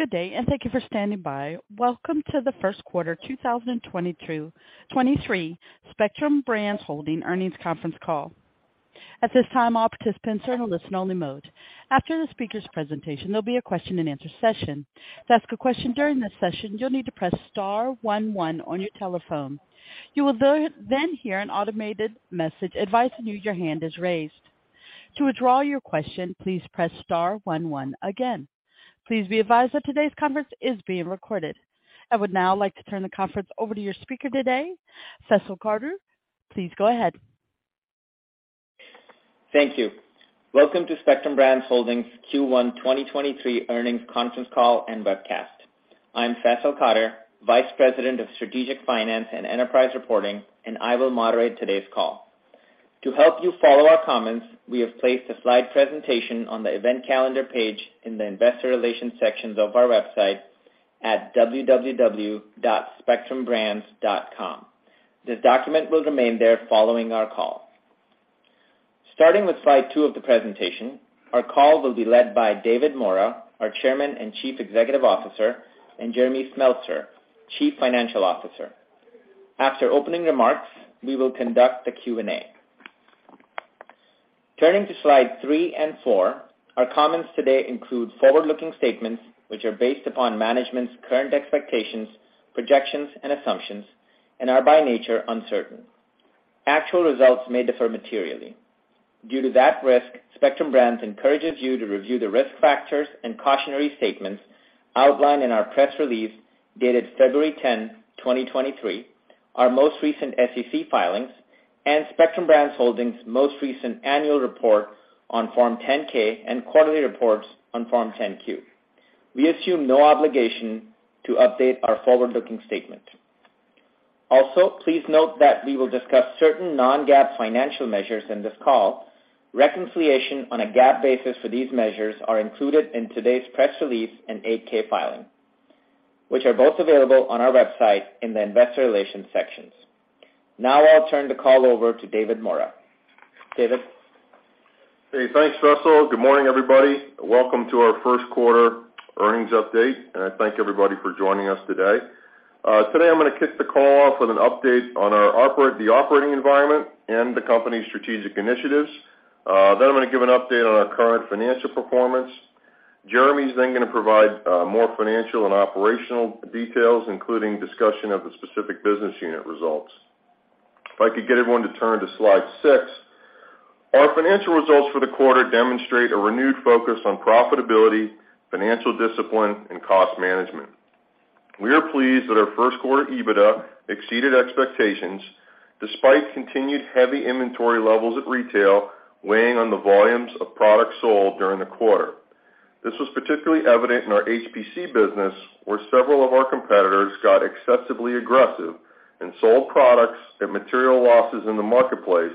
Good day, and thank you for standing by. Welcome to the first quarter 2023 Spectrum Brands Holdings earnings conference call. At this time, all participants are in a listen only mode. After the speaker's presentation, there'll be a question-and-answer session. To ask a question during this session, you'll need to press star one one on your telephone. You will then hear an automated message advising you your hand is raised. To withdraw your question, please press star one one again. Please be advised that today's conference is being recorded. I would now like to turn the conference over to your speaker today, Faisal Qadir. Please go ahead. Thank you. Welcome to Spectrum Brands Holdings Q1 2023 earnings conference call and webcast. I'm Faisal Qadir, Vice President of Strategic Finance and Enterprise Reporting. I will moderate today's call. To help you follow our comments, we have placed a slide presentation on the event calendar page in the investor relations sections of our website at www.spectrumbrands.com. This document will remain there following our call. Starting with slide two of the presentation, our call will be led by David Maura, our Chairman and Chief Executive Officer, and Jeremy Smeltser, Chief Financial Officer. After opening remarks, we will conduct the Q&A. Turning to slide three and four, our comments today include forward-looking statements which are based upon management's current expectations, projections, and assumptions and are by nature uncertain. Actual results may differ materially. Due to that risk, Spectrum Brands encourages you to review the risk factors and cautionary statements outlined in our press release dated February 10, 2023, our most recent SEC filings and Spectrum Brands Holdings' most recent annual report on Form 10-K and quarterly reports on Form 10-Q. We assume no obligation to update our forward-looking statement. Also, please note that we will discuss certain non-GAAP financial measures in this call. Reconciliation on a GAAP basis for these measures are included in today's press release and 8-K filing, which are both available on our website in the investor relations sections. Now I'll turn the call over to David Maura. David? Hey, thanks, Faisal. Good morning, everybody. Welcome to our first quarter earnings update. I thank everybody for joining us today. Today I'm gonna kick the call off with an update on our operating environment and the company's strategic initiatives. I'm gonna give an update on our current financial performance. Jeremy's gonna provide more financial and operational details, including discussion of the specific business unit results. If I could get everyone to turn to slide 6. Our financial results for the quarter demonstrate a renewed focus on profitability, financial discipline and cost management. We are pleased that our first quarter EBITDA exceeded expectations despite continued heavy inventory levels at retail weighing on the volumes of products sold during the quarter. This was particularly evident in our HPC business, where several of our competitors got excessively aggressive and sold products at material losses in the marketplace,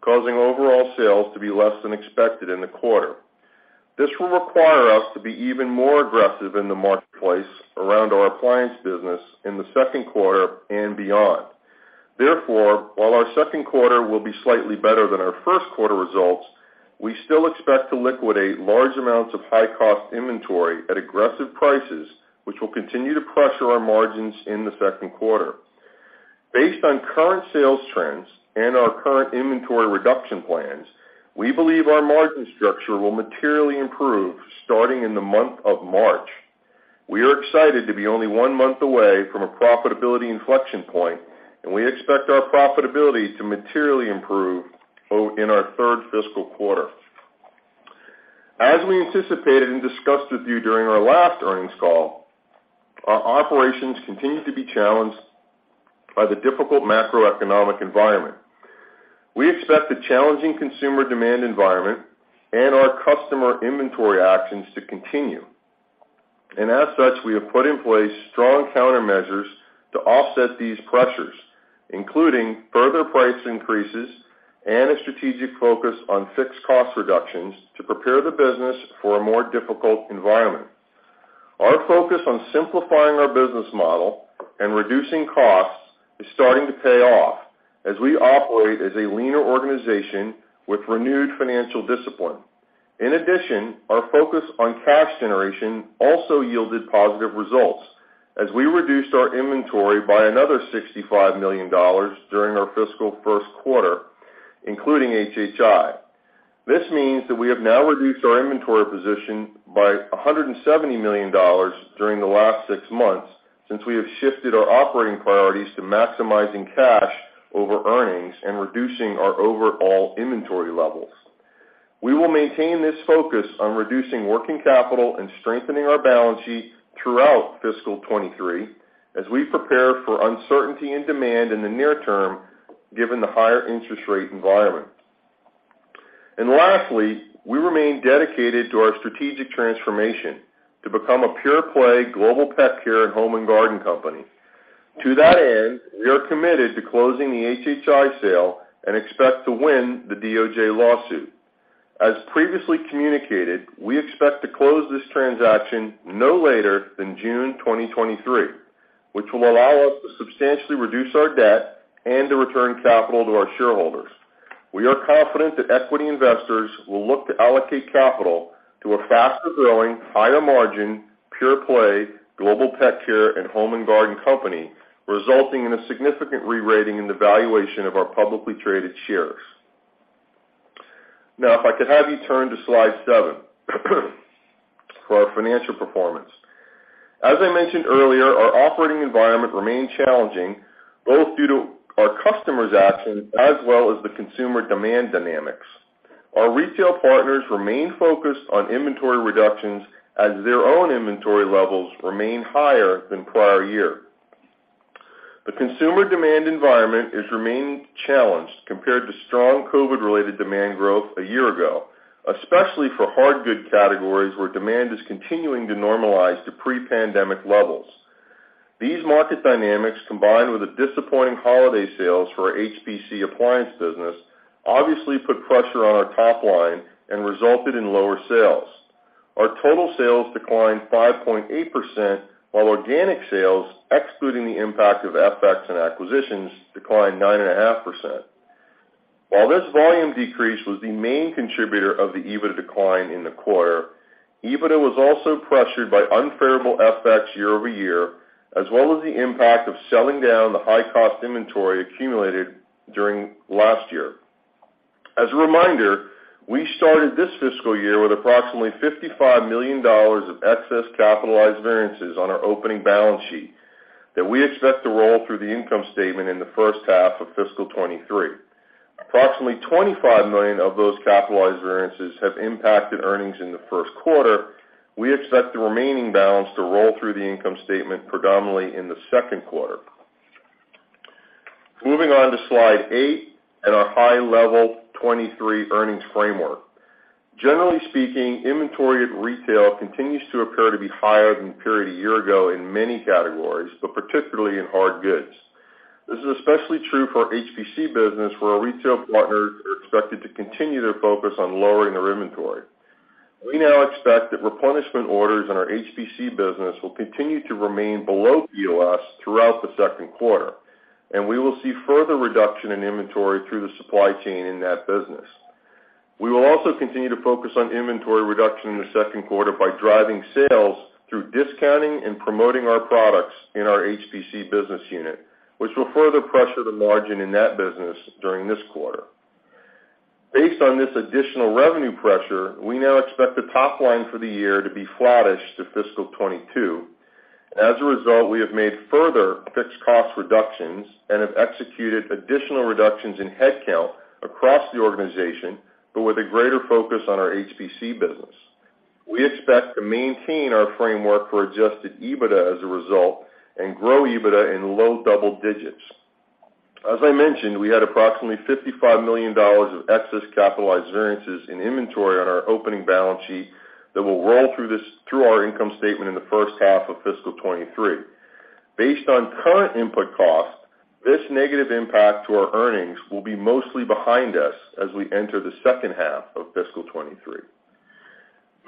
causing overall sales to be less than expected in the quarter. This will require us to be even more aggressive in the marketplace around our appliance business in the second quarter and beyond. While our second quarter will be slightly better than our first quarter results, we still expect to liquidate large amounts of high-cost inventory at aggressive prices, which will continue to pressure our margins in the second quarter. Based on current sales trends and our current inventory reduction plans, we believe our margin structure will materially improve starting in the month of March. We are excited to be only one month away from a profitability inflection point, and we expect our profitability to materially improve in our third fiscal quarter. As we anticipated and discussed with you during our last earnings call, our operations continue to be challenged by the difficult macroeconomic environment. We expect the challenging consumer demand environment and our customer inventory actions to continue. As such, we have put in place strong countermeasures to offset these pressures, including further price increases and a strategic focus on fixed cost reductions to prepare the business for a more difficult environment. Our focus on simplifying our business model and reducing costs is starting to pay off as we operate as a leaner organization with renewed financial discipline. In addition, our focus on cash generation also yielded positive results as we reduced our inventory by another $65 million during our fiscal first quarter, including HHI. This means that we have now reduced our inventory position by $170 million during the last six months since we have shifted our operating priorities to maximizing cash over earnings and reducing our overall inventory levels. We will maintain this focus on reducing working capital and strengthening our balance sheet throughout fiscal 2023 as we prepare for uncertainty and demand in the near term, given the higher interest rate environment. Lastly, we remain dedicated to our strategic transformation to become a pure-play Global Pet Care at Home and Garden company. To that end, we are committed to closing the HHI sale and expect to win the DOJ lawsuit. As previously communicated, we expect to close this transaction no later than June 2023, which will allow us to substantially reduce our debt and to return capital to our shareholders. We are confident that equity investors will look to allocate capital to a faster-growing, higher-margin, pure-play Global Pet Care and Home and Garden company, resulting in a significant re-rating in the valuation of our publicly traded shares. If I could have you turn to slide 7 for our financial performance. As I mentioned earlier, our operating environment remained challenging, both due to our customers' actions as well as the consumer demand dynamics. Our retail partners remain focused on inventory reductions as their own inventory levels remain higher than prior year. The consumer demand environment is remaining challenged compared to strong COVID-related demand growth a year ago, especially for hard good categories where demand is continuing to normalize to pre-pandemic levels. These market dynamics, combined with a disappointing holiday sales for our HPC appliance business, obviously put pressure on our top line and resulted in lower sales. Our total sales declined 5.8%, while organic sales, excluding the impact of FX and acquisitions, declined 9.5%. While this volume decrease was the main contributor of the EBITDA decline in the quarter, EBITDA was also pressured by unfavorable FX year-over-year, as well as the impact of selling down the high-cost inventory accumulated during last year. As a reminder, we started this fiscal year with approximately $55 million of excess capitalized variances on our opening balance sheet that we expect to roll through the income statement in the first half of fiscal 2023. Approximately $25 million of those capitalized variances have impacted earnings in the first quarter. We expect the remaining balance to roll through the income statement predominantly in the second quarter. Moving on to slide 8 and our high-level 2023 earnings framework. Generally speaking, inventory at retail continues to appear to be higher than the period a year ago in many categories, but particularly in hard goods. This is especially true for our HPC business, where our retail partners are expected to continue their focus on lowering their inventory. We now expect that replenishment orders in our HPC business will continue to remain below POS throughout the second quarter, and we will see further reduction in inventory through the supply chain in that business. We will also continue to focus on inventory reduction in the second quarter by driving sales through discounting and promoting our products in our HPC business unit, which will further pressure the margin in that business during this quarter. Based on this additional revenue pressure, we now expect the top line for the year to be flattish to fiscal 22. As a result, we have made further fixed cost reductions and have executed additional reductions in headcount across the organization, but with a greater focus on our HPC business. We expect to maintain our framework for adjusted EBITDA as a result and grow EBITDA in low double digits. As I mentioned, we had approximately $55 million of excess capitalized variances in inventory on our opening balance sheet that will roll through our income statement in the first half of fiscal 2023. Based on current input costs, this negative impact to our earnings will be mostly behind us as we enter the second half of fiscal 2023.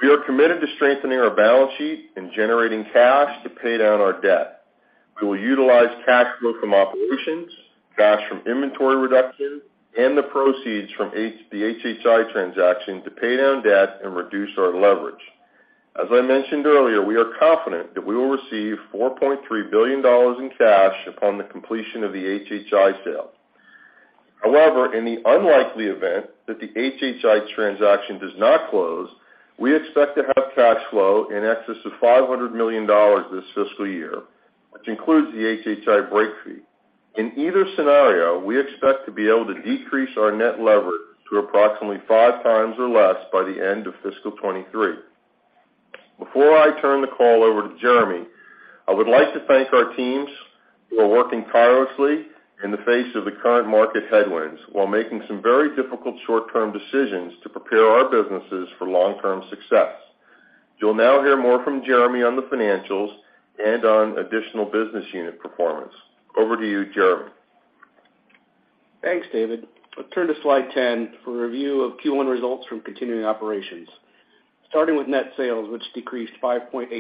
We are committed to strengthening our balance sheet and generating cash to pay down our debt. We will utilize cash flow from operations, cash from inventory reductions, and the proceeds from the HHI transaction to pay down debt and reduce our leverage. As I mentioned earlier, we are confident that we will receive $4.3 billion in cash upon the completion of the HHI sale. In the unlikely event that the HHI transaction does not close, we expect to have cash flow in excess of $500 million this fiscal year, which includes the HHI break fee. In either scenario, we expect to be able to decrease our net leverage to approximately 5 times or less by the end of fiscal 23. Before I turn the call over to Jeremy, I would like to thank our teams who are working tirelessly in the face of the current market headwinds while making some very difficult short-term decisions to prepare our businesses for long-term success. You'll now hear more from Jeremy on the financials and on additional business unit performance. Over to you, Jeremy. Thanks, David. Let's turn to slide 10 for review of Q1 results from continuing operations, starting with net sales, which decreased 5.8%.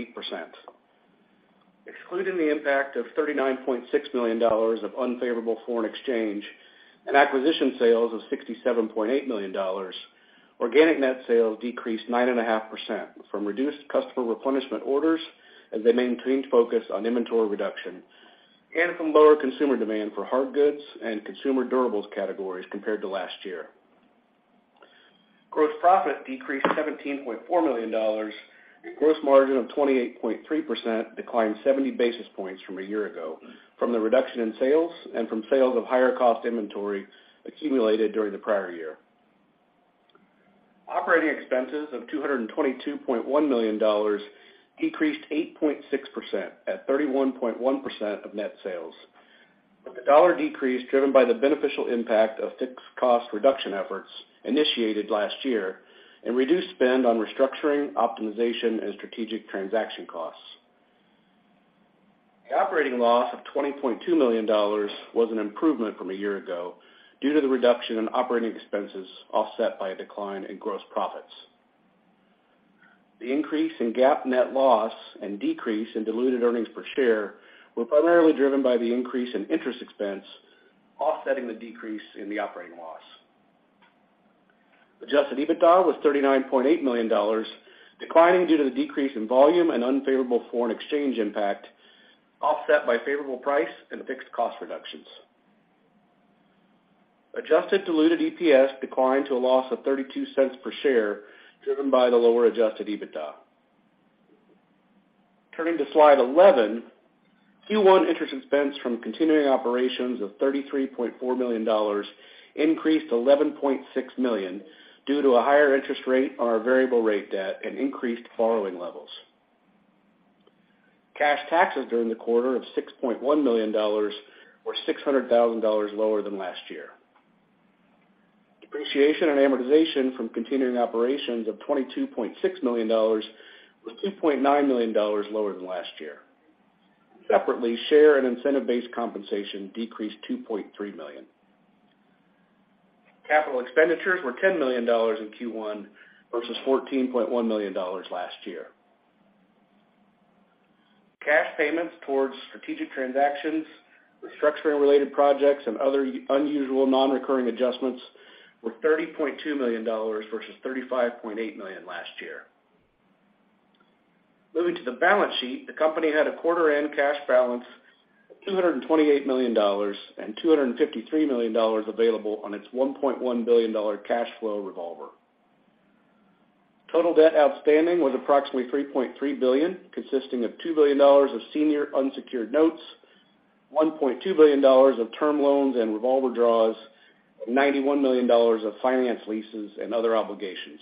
Excluding the impact of $39.6 million of unfavorable foreign exchange and acquisition sales of $67.8 million, organic net sales decreased 9.5% from reduced customer replenishment orders as they maintained focus on inventory reduction and from lower consumer demand for hard goods and consumer durables categories compared to last year. Gross profit decreased $17.4 million, and gross margin of 28.3% declined 70 basis points from a year ago from the reduction in sales and from sales of higher-cost inventory accumulated during the prior year. Operating expenses of $222.1 million decreased 8.6% at 31.1% of net sales, with the dollar decrease driven by the beneficial impact of fixed cost reduction efforts initiated last year and reduced spend on restructuring, optimization, and strategic transaction costs. The operating loss of $20.2 million was an improvement from a year ago due to the reduction in operating expenses offset by a decline in gross profits. The increase in GAAP net loss and decrease in diluted earnings per share were primarily driven by the increase in interest expense offsetting the decrease in the operating loss. Adjusted EBITDA was $39.8 million, declining due to the decrease in volume and unfavorable foreign exchange impact, offset by favorable price and fixed cost reductions. Adjusted diluted EPS declined to a loss of $0.32 per share, driven by the lower adjusted EBITDA. Turning to slide 11, Q1 interest expense from continuing operations of $33.4 million increased to $11.6 million due to a higher interest rate on our variable rate debt and increased borrowing levels. Cash taxes during the quarter of $6.1 million were $600,000 lower than last year. Depreciation and amortization from continuing operations of $22.6 million was $2.9 million lower than last year. Separately, share and incentive-based compensation decreased $2.3 million. Capital expenditures were $10 million in Q1 versus $14.1 million last year. Cash payments towards strategic transactions, restructuring-related projects, and other unusual non-recurring adjustments were $30.2 million versus $35.8 million last year. Moving to the balance sheet, the company had a quarter-end cash balance of $228 million and $253 million available on its $1.1 billion cash flow revolver. Total debt outstanding was approximately $3.3 billion, consisting of $2 billion of senior unsecured notes, $1.2 billion of term loans and revolver draws, and $91 million of finance leases and other obligations.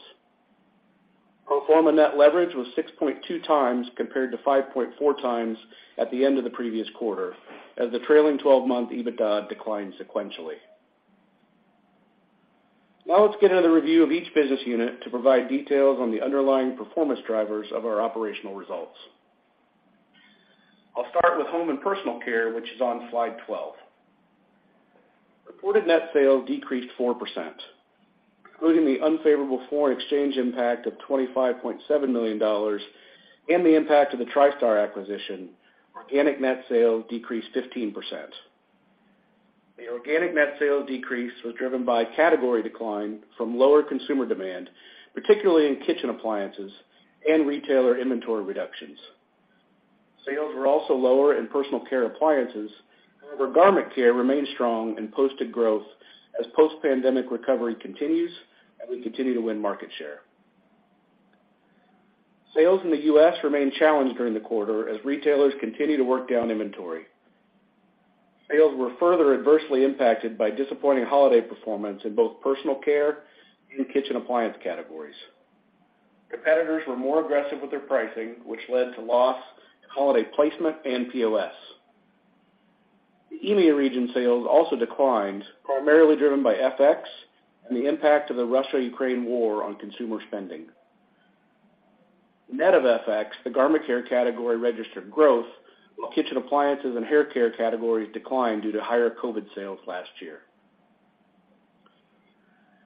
Pro forma net leverage was 6.2x compared to 5.4x at the end of the previous quarter as the trailing 12-month EBITDA declined sequentially. Now let's get another review of each business unit to provide details on the underlying performance drivers of our operational results. I'll start with Home and Personal Care, which is on slide 12. Reported net sales decreased 4%, including the unfavorable foreign exchange impact of $25.7 million and the impact of the Tristar acquisition. Organic net sales decreased 15%. The organic net sales decrease was driven by category decline from lower consumer demand, particularly in kitchen appliances and retailer inventory reductions. Sales were also lower in personal care appliances, however, garment care remained strong and posted growth as post-pandemic recovery continues and we continue to win market share. Sales in the U.S. remained challenged during the quarter as retailers continued to work down inventory. Sales were further adversely impacted by disappointing holiday performance in both personal care and kitchen appliance categories. Competitors were more aggressive with their pricing, which led to loss in holiday placement and POS. The EMEA region sales also declined, primarily driven by FX and the impact of the Russia-Ukraine war on consumer spending. Net of FX, the garment care category registered growth, while kitchen appliances and hair care categories declined due to higher COVID sales last year.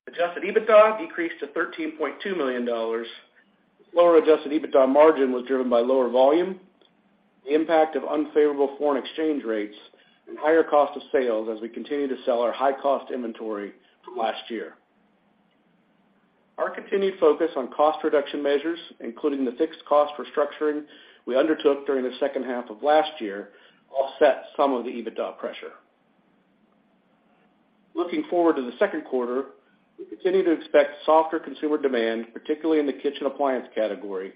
Adjusted EBITDA decreased to $13.2 million. Lower adjusted EBITDA margin was driven by lower volume, the impact of unfavorable foreign exchange rates, and higher cost of sales as we continue to sell our high-cost inventory from last year. Our continued focus on cost reduction measures, including the fixed cost restructuring we undertook during the second half of last year, offset some of the EBITDA pressure. Looking forward to the second quarter, we continue to expect softer consumer demand, particularly in the kitchen appliance category,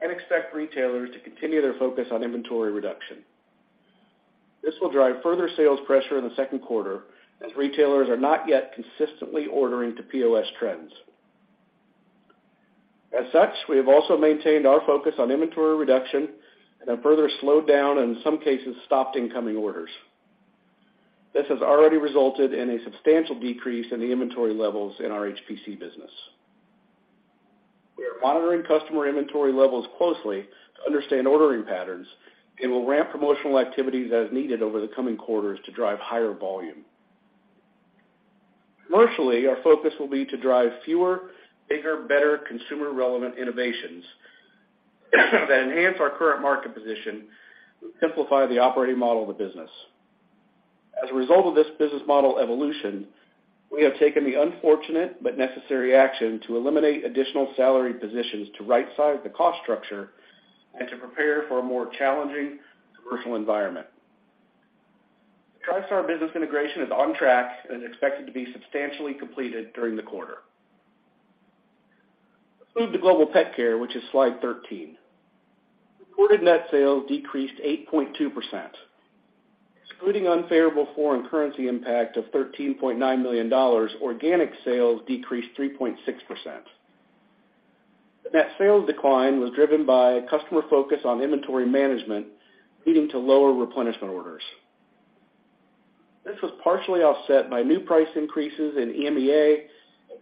and expect retailers to continue their focus on inventory reduction. This will drive further sales pressure in the second quarter as retailers are not yet consistently ordering to POS trends. As such, we have also maintained our focus on inventory reduction and have further slowed down, and in some cases, stopped incoming orders. This has already resulted in a substantial decrease in the inventory levels in our HPC business. We are monitoring customer inventory levels closely to understand ordering patterns and will ramp promotional activities as needed over the coming quarters to drive higher volume. Commercially, our focus will be to drive fewer, bigger, better consumer-relevant innovations that enhance our current market position and simplify the operating model of the business. As a result of this business model evolution, we have taken the unfortunate but necessary action to eliminate additional salary positions to right size the cost structure and to prepare for a more challenging commercial environment. The Tristar business integration is on track and is expected to be substantially completed during the quarter. Let's move to Global Pet Care, which is slide 13. Reported net sales decreased 8.2%. Excluding unfavorable foreign currency impact of $13.9 million, organic sales decreased 3.6%. The net sales decline was driven by customer focus on inventory management, leading to lower replenishment orders. This was partially offset by new price increases in EMEA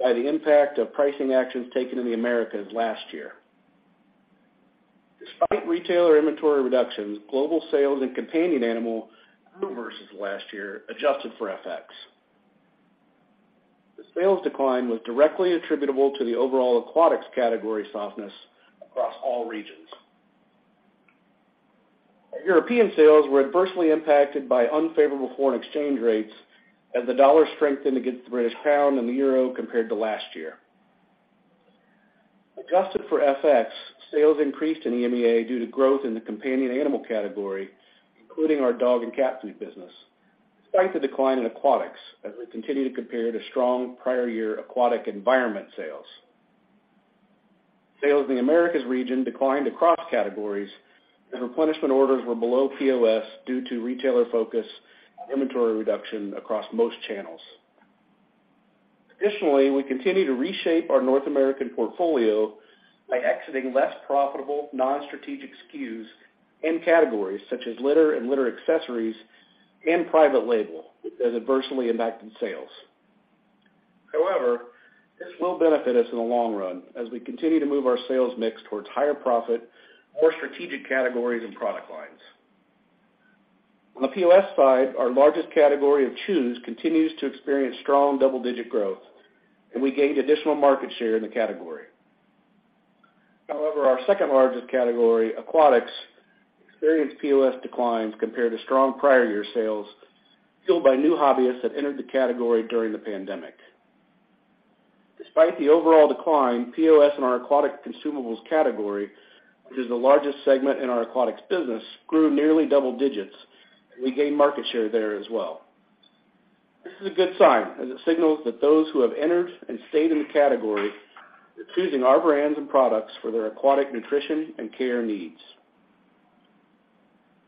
by the impact of pricing actions taken in the Americas last year. Despite retailer inventory reductions, global sales in companion animal grew versus last year, adjusted for FX. The sales decline was directly attributable to the overall aquatics category softness across all regions. Our European sales were adversely impacted by unfavorable foreign exchange rates as the dollar strengthened against the British pound and the euro compared to last year. Adjusted for FX, sales increased in EMEA due to growth in the companion animal category, including our dog and cat food business, despite the decline in aquatics as we continue to compare to strong prior year aquatic environment sales. Sales in the Americas region declined across categories as replenishment orders were below POS due to retailer focus and inventory reduction across most channels. Additionally, we continue to reshape our North American portfolio by exiting less profitable non-strategic SKUs and categories such as litter and litter accessories and private label that have adversely impacted sales. However, this will benefit us in the long run as we continue to move our sales mix towards higher profit, more strategic categories and product lines. On the POS side, our largest category of chews continues to experience strong double-digit growth, and we gained additional market share in the category. However, our second-largest category, aquatics, experienced POS declines compared to strong prior year sales fueled by new hobbyists that entered the category during the pandemic. Despite the overall decline, POS in our aquatic consumables category, which is the largest segment in our aquatics business, grew nearly double digits, and we gained market share there as well. This is a good sign as it signals that those who have entered and stayed in the category are choosing our brands and products for their aquatic nutrition and care needs.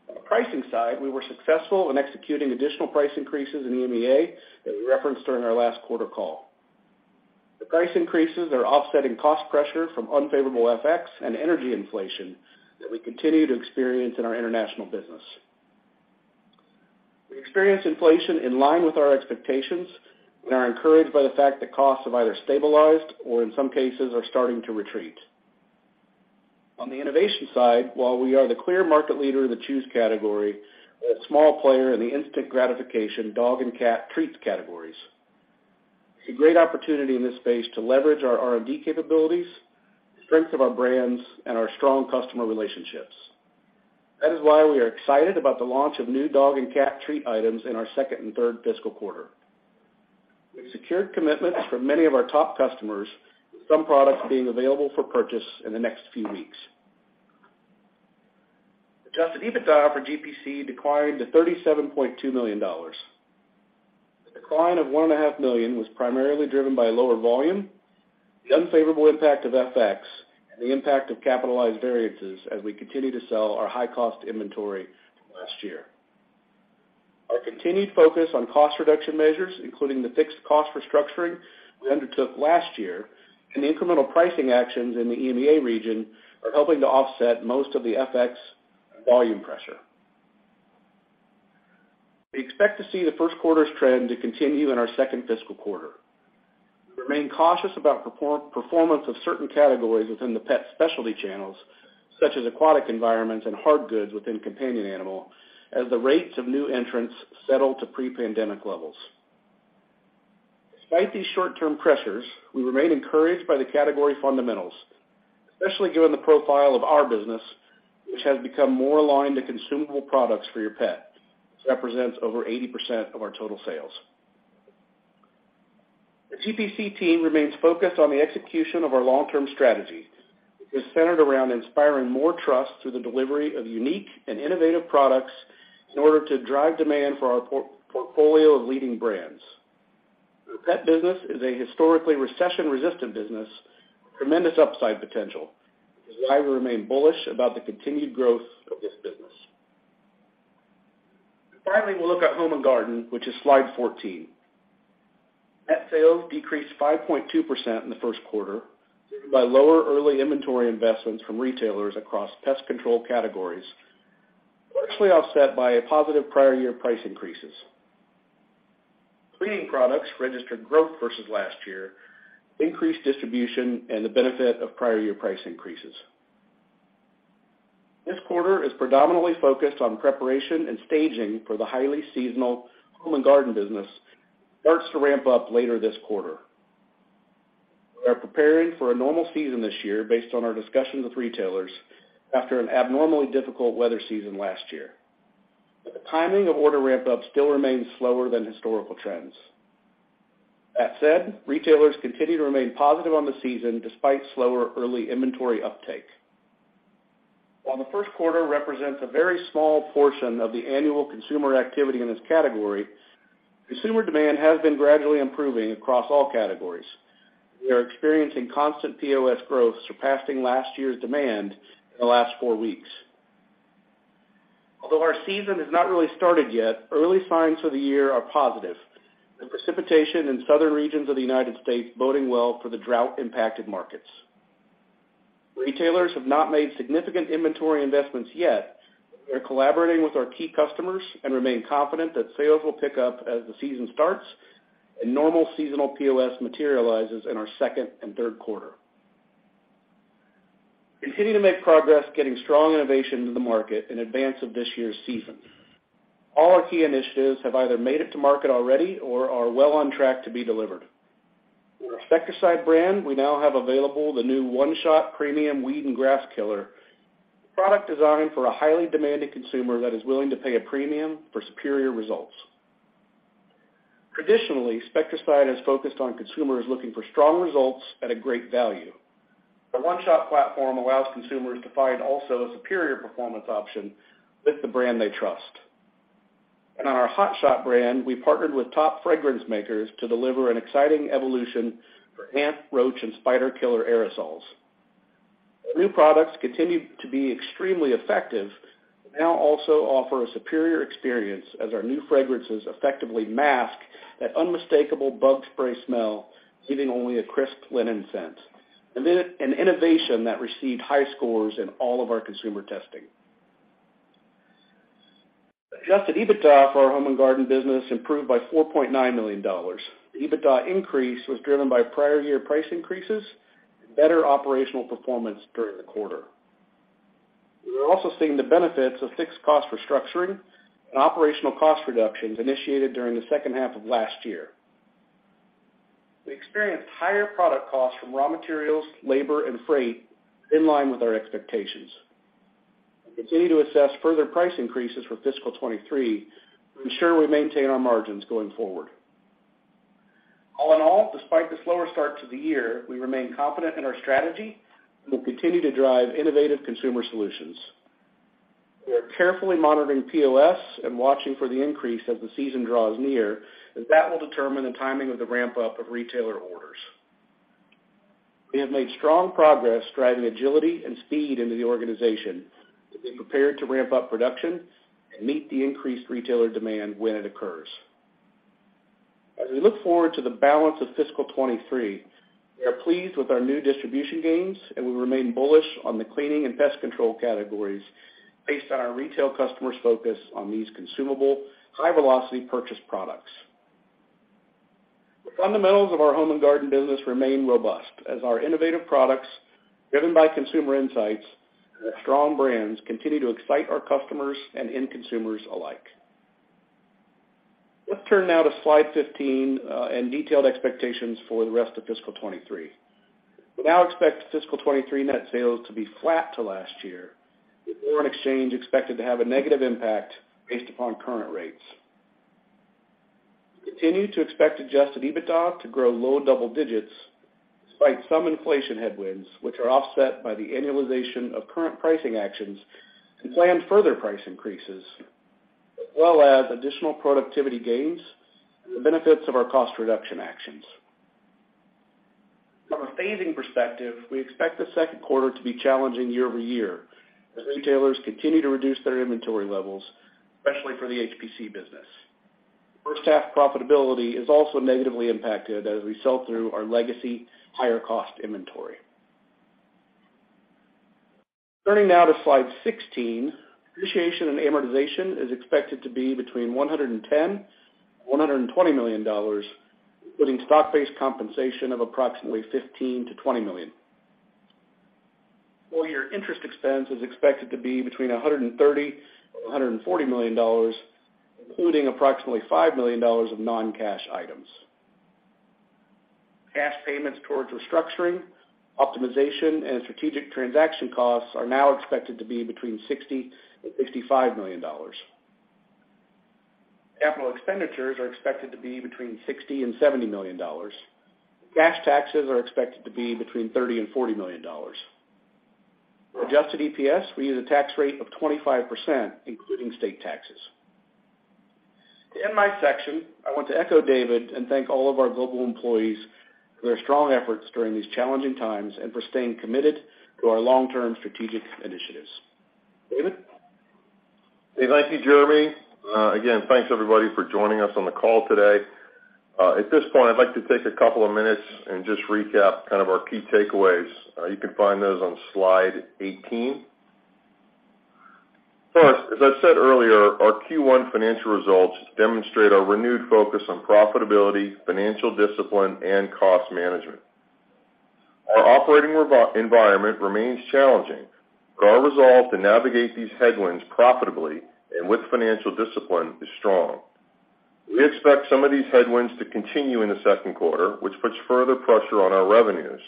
On the pricing side, we were successful in executing additional price increases in EMEA that we referenced during our last quarter call. The price increases are offsetting cost pressure from unfavorable FX and energy inflation that we continue to experience in our international business. We experienced inflation in line with our expectations and are encouraged by the fact that costs have either stabilized or in some cases are starting to retreat. On the innovation side, while we are the clear market leader in the chews category, we're a small player in the instant gratification dog and cat treats categories. It's a great opportunity in this space to leverage our R&D capabilities, strength of our brands, and our strong customer relationships. That is why we are excited about the launch of new dog and cat treat items in our second and third fiscal quarter. We've secured commitments from many of our top customers, some products being available for purchase in the next few weeks. Adjusted EBITDA for GPC declined to $37.2 million. The decline of one and a half million was primarily driven by lower volume, the unfavorable impact of FX, and the impact of capitalized variances as we continue to sell our high-cost inventory from last year. Our continued focus on cost reduction measures, including the fixed cost restructuring we undertook last year and the incremental pricing actions in the EMEA region, are helping to offset most of the FX volume pressure. We expect to see the first quarter's trend to continue in our second fiscal quarter. We remain cautious about performance of certain categories within the pet specialty channels, such as aquatic environments and hard goods within companion animal, as the rates of new entrants settle to pre-pandemic levels. Despite these short-term pressures, we remain encouraged by the category fundamentals, especially given the profile of our business, which has become more aligned to consumable products for your pet, which represents over 80% of our total sales. The GPC team remains focused on the execution of our long-term strategy, which is centered around inspiring more trust through the delivery of unique and innovative products in order to drive demand for our portfolio of leading brands. The pet business is a historically recession-resistant business with tremendous upside potential, which is why we remain bullish about the continued growth of this business. Finally, we'll look at home and garden, which is slide 14. Net sales decreased 5.2% in the first quarter, driven by lower early inventory investments from retailers across pest control categories, partially offset by a positive prior year price increases. Cleaning products registered growth versus last year with increased distribution and the benefit of prior year price increases. This quarter is predominantly focused on preparation and staging for the highly seasonal home and garden business that starts to ramp up later this quarter. We are preparing for a normal season this year based on our discussions with retailers after an abnormally difficult weather season last year. The timing of order ramp-up still remains slower than historical trends. That said, retailers continue to remain positive on the season despite slower early inventory uptake. While the first quarter represents a very small portion of the annual consumer activity in this category, consumer demand has been gradually improving across all categories. We are experiencing constant POS growth surpassing last year's demand in the last four weeks. Although our season has not really started yet, early signs for the year are positive, with precipitation in southern regions of the United States boding well for the drought-impacted markets. Retailers have not made significant inventory investments yet, but we are collaborating with our key customers and remain confident that sales will pick up as the season starts and normal seasonal POS materializes in our 2nd and 3rd quarter. Continuing to make progress getting strong innovation to the market in advance of this year's season. All our key initiatives have either made it to market already or are well on track to be delivered. For our Spectracide brand, we now have available the new One Shot premium weed and grass killer, a product designed for a highly demanded consumer that is willing to pay a premium for superior results. Traditionally, Spectracide has focused on consumers looking for strong results at a great value. The One Shot platform allows consumers to find also a superior performance option with the brand they trust. On our Hot Shot brand, we partnered with top fragrance makers to deliver an exciting evolution for ant, roach, and spider killer aerosols. New products continue to be extremely effective and now also offer a superior experience as our new fragrances effectively mask that unmistakable bug spray smell, leaving only a crisp linen scent, an innovation that received high scores in all of our consumer testing. Adjusted EBITDA for our home and garden business improved by $4.9 million. The EBITDA increase was driven by prior year price increases and better operational performance during the quarter. We are also seeing the benefits of fixed cost restructuring and operational cost reductions initiated during the second half of last year. We experienced higher product costs from raw materials, labor, and freight in line with our expectations. We continue to assess further price increases for fiscal 23 to ensure we maintain our margins going forward. All in all, despite the slower start to the year, we remain confident in our strategy and will continue to drive innovative consumer solutions. We are carefully monitoring POS and watching for the increase as the season draws near, as that will determine the timing of the ramp-up of retailer orders. We have made strong progress driving agility and speed into the organization to be prepared to ramp up production and meet the increased retailer demand when it occurs. As we look forward to the balance of fiscal 2023, we are pleased with our new distribution gains, and we remain bullish on the cleaning and pest control categories based on our retail customers' focus on these consumable, high-velocity purchase products. The fundamentals of our Home and Garden business remain robust as our innovative products, driven by consumer insights and strong brands, continue to excite our customers and end consumers alike. Let's turn now to slide 15 and detailed expectations for the rest of fiscal 2023. We now expect fiscal 2023 net sales to be flat to last year, with foreign exchange expected to have a negative impact based upon current rates. We continue to expect adjusted EBITDA to grow low double digits despite some inflation headwinds, which are offset by the annualization of current pricing actions and planned further price increases, as well as additional productivity gains and the benefits of our cost reduction actions. From a phasing perspective, we expect the second quarter to be challenging year-over-year as retailers continue to reduce their inventory levels, especially for the HPC business. First half profitability is also negatively impacted as we sell through our legacy higher cost inventory. Turning now to slide 16, depreciation and amortization is expected to be between $110 million and $120 million, including stock-based compensation of approximately $15 million-$20 million. Full year interest expense is expected to be between $130 million-$140 million, including approximately $5 million of non-cash items. Cash payments towards restructuring, optimization, and strategic transaction costs are now expected to be between $60 million-$65 million. Capital expenditures are expected to be between $60 million-$70 million. Cash taxes are expected to be between $30 million-$40 million. For adjusted EPS, we use a tax rate of 25%, including state taxes. To end my section, I want to echo David and thank all of our global employees for their strong efforts during these challenging times and for staying committed to our long-term strategic initiatives. David? Dave, thank you, Jeremy. Again, thanks everybody for joining us on the call today. At this point, I'd like to take a couple of minutes and just recap kind of our key takeaways. You can find those on slide 18. First, as I said earlier, our Q1 financial results demonstrate our renewed focus on profitability, financial discipline, and cost management. Our operating environment remains challenging, but our resolve to navigate these headwinds profitably and with financial discipline is strong. We expect some of these headwinds to continue in the second quarter, which puts further pressure on our revenues.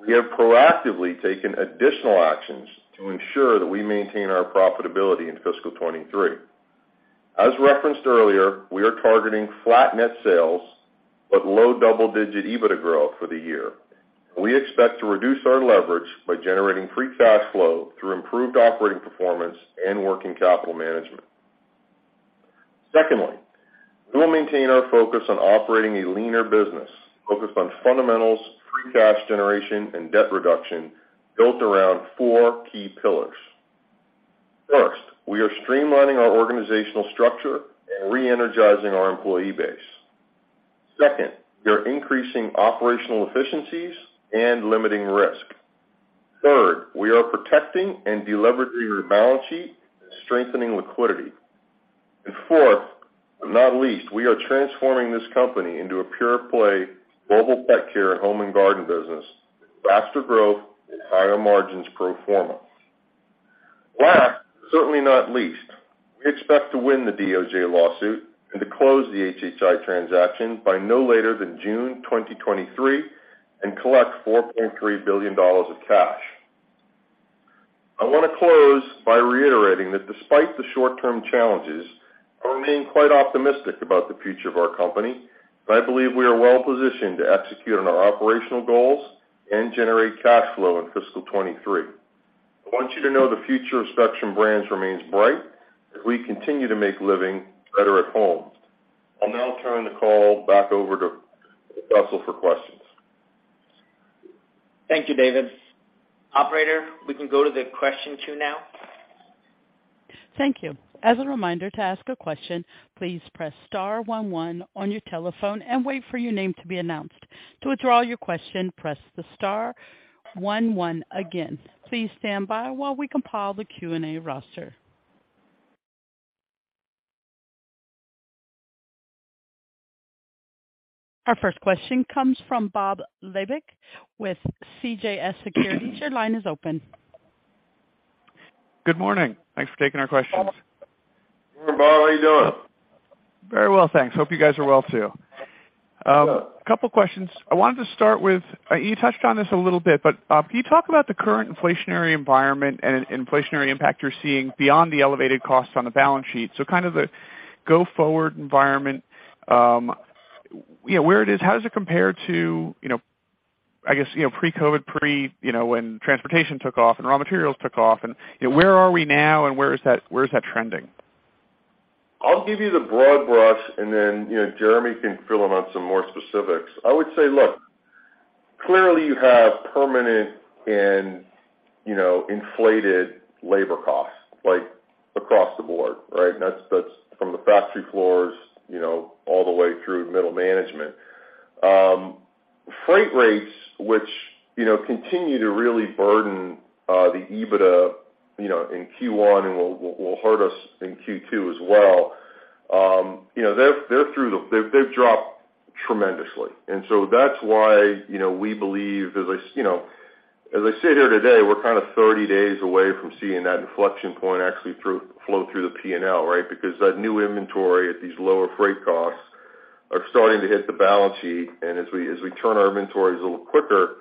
We have proactively taken additional actions to ensure that we maintain our profitability in fiscal 2023. As referenced earlier, we are targeting flat net sales but low double-digit EBITDA growth for the year. We expect to reduce our leverage by generating free cash flow through improved operating performance and working capital management. Secondly, we will maintain our focus on operating a leaner business focused on fundamentals, free cash generation, and debt reduction built around four key pillars. First, we are streamlining our organizational structure and re-energizing our employee base. Second, we are increasing operational efficiencies and limiting risk. Third, we are protecting and de-leveraging our balance sheet and strengthening liquidity. Fourth, but not least, we are transforming this company into a pure-play Global Pet Care home and garden business with faster growth and higher margins pro forma. Last, but certainly not least, we expect to win the DOJ lawsuit and to close the HHI transaction by no later than June 2023 and collect $4.3 billion of cash. I wanna close by reiterating that despite the short-term challenges, I remain quite optimistic about the future of our company. I believe we are well-positioned to execute on our operational goals and generate cash flow in fiscal 2023. I want you to know the future of Spectrum Brands remains bright as we continue to make living better at home. I'll now turn the call back over to Russell for questions. Thank you, David. Operator, we can go to the question queue now. Thank you. As a reminder, to ask a question, please press star 11 on your telephone and wait for your name to be announced. To withdraw your question, press the star 11 again. Please stand by while we compile the Q&A roster. Our first question comes from Bob Labick with CJS Securities. Your line is open. Good morning. Thanks for taking our questions. Good morning, Bob. How you doing? Very well, thanks. Hope you guys are well too. Good. A couple questions. I wanted to start with... you touched on this a little bit, but can you talk about the current inflationary environment and in-inflationary impact you're seeing beyond the elevated costs on the balance sheet? Kind of the go-forward environment, you know, where it is. How does it compare to, you know, I guess, you know, pre-COVID, pre, you know, when transportation took off and raw materials took off and, you know, where are we now and where is that trending? I'll give you the broad brush and then, you know, Jeremy can fill in on some more specifics. I would say, look, clearly you have permanent and, you know, inflated labor costs, like, across the board, right? That's from the factory floors, you know, all the way through to middle management. Freight rates, which, you know, continue to really burden the EBITDA, you know, in Q1 and will hurt us in Q2 as well, you know, They've dropped tremendously. That's why, you know, we believe as I sit here today, we're kind of 30 days away from seeing that inflection point actually flow through the P&L, right? Because that new inventory at these lower freight costs are starting to hit the balance sheet. As we turn our inventories a little quicker,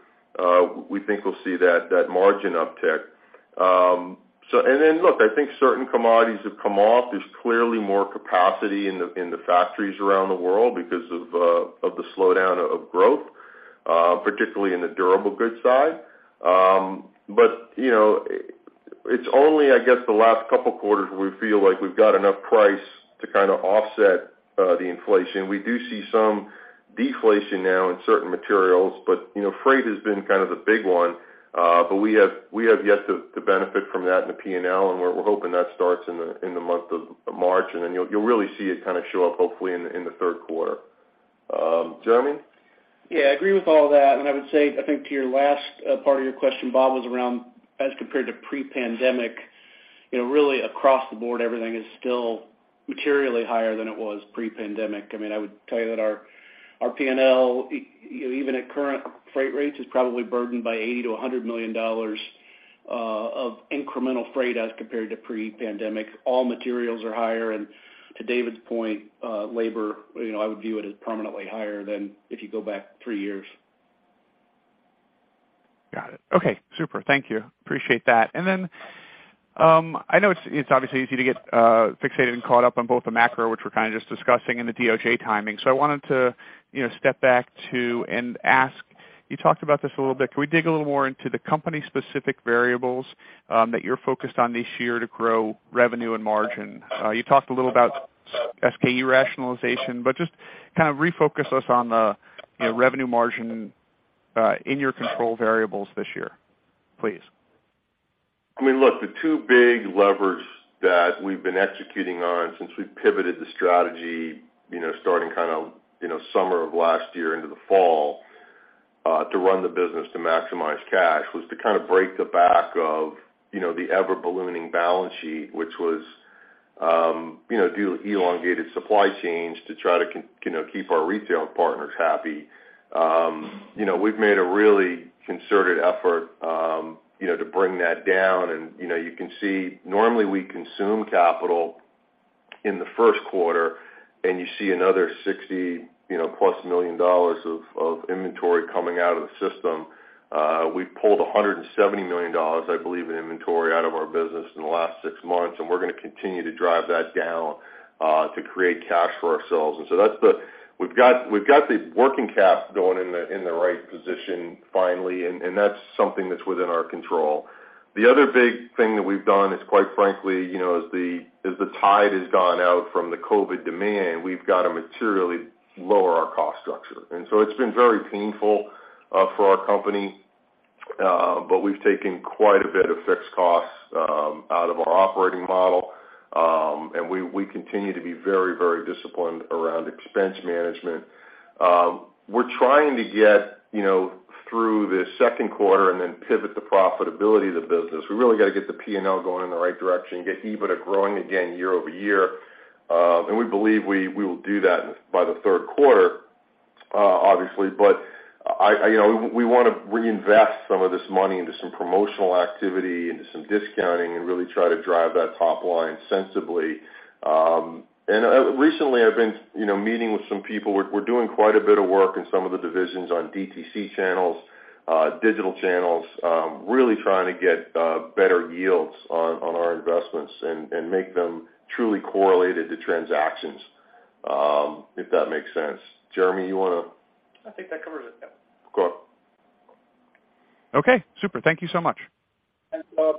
we think we'll see that margin uptick. Then look, I think certain commodities have come off. There's clearly more capacity in the factories around the world because of the slowdown of growth, particularly in the durable goods side. But, you know, it's only, I guess, the last couple quarters we feel like we've got enough price to kinda offset the inflation. We do see some deflation now in certain materials, but, you know, freight has been kind of the big one. But we have yet to benefit from that in the P&L, and we're hoping that starts in the month of March. Then you'll really see it kinda show up hopefully in the third quarter. Jeremy? Yeah, I agree with all that. I would say, I think to your last part of your question, Bob, was around as compared to pre-pandemic, you know, really across the board everything is still materially higher than it was pre-pandemic. I mean, I would tell you that our P&L even at current freight rates is probably burdened by $80 million-$100 million of incremental freight as compared to pre-pandemic. All materials are higher. To David's point, labor, you know, I would view it as permanently higher than if you go back three years. Got it. Okay, super. Thank you. Appreciate that. I know it's obviously easy to get fixated and caught up on both the macro, which we're kind of just discussing, and the DOJ timing. You know, step back to and ask. You talked about this a little bit. Can we dig a little more into the company-specific variables that you're focused on this year to grow revenue and margin? You talked a little about SKU rationalization, but just kind of refocus us on the, you know, revenue margin in your control variables this year, please. I mean, look, the two big levers that we've been executing on since we pivoted the strategy, you know, starting kind of, you know, summer of last year into the fall, to run the business to maximize cash, was to kind of break the back of, you know, the ever-ballooning balance sheet, which was, you know, due to elongated supply chains to try to keep our retail partners happy. You know, we've made a really concerted effort, you know, to bring that down. You know, you can see normally we consume capital in the first quarter and you see another $60 plus million of inventory coming out of the system. We pulled $170 million, I believe, in inventory out of our business in the last 6 months, and we're gonna continue to drive that down to create cash for ourselves. That's the. We've got the working cash going in the right position finally, and that's something that's within our control. The other big thing that we've done is quite frankly, you know, as the tide has gone out from the COVID demand, we've got to materially lower our cost structure. It's been very painful for our company, but we've taken quite a bit of fixed costs out of our operating model. And we continue to be very disciplined around expense management. We're trying to get, you know, through the second quarter and then pivot the profitability of the business. We really got to get the P&L going in the right direction, get EBITDA growing again year-over-year. We believe we will do that by the third quarter, obviously. I, you know, we want to reinvest some of this money into some promotional activity, into some discounting, and really try to drive that top line sensibly. Recently I've been, you know, meeting with some people. We're doing quite a bit of work in some of the divisions on DTC channels, digital channels, really trying to get better yields on our investments and make them truly correlated to transactions, if that makes sense. Jeremy, you wanna? I think that covers it. Yeah. Of course. Okay, super. Thank you so much. Thanks, Bob.